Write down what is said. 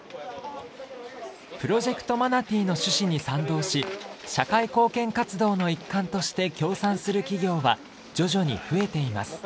プロジェクトマナティの趣旨に賛同し社会貢献活動の一環として協賛する企業は徐々に増えています。